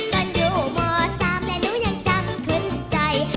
นอนอยู่หมอสามและนุยังจำขึ้นใจ